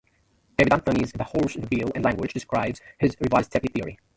David Anthony's "The Horse, the Wheel and Language" describes his "Revised Steppe Theory.